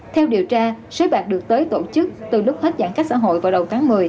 theo điều tra sới bạc được tới tổ chức từ lúc hết giãn cách xã hội vào đầu tháng một mươi